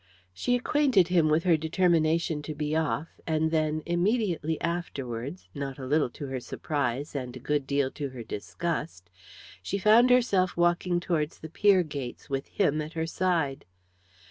She acquainted him with her determination to be off, and then, immediately afterwards, not a little to her surprise and a good deal to her disgust, she found herself walking towards the pier gates with him at her side.